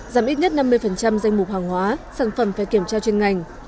giảm ít nhất năm mươi danh mục hàng hóa sản phẩm phải kiểm trao trên ngành